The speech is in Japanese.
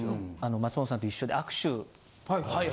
松本さんと一緒で。